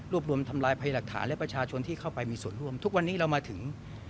รวมทำลายพยายามหลักฐานและประชาชนที่เข้าไปมีส่วนร่วมทุกวันนี้เรามาถึง